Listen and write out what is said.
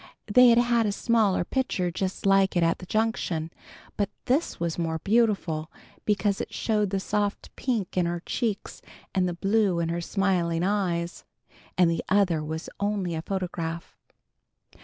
They had had a smaller picture just like it at the Junction, but this was more beautiful because it showed the soft pink in her cheeks and the blue in her smiling eyes, and the other was only a photograph.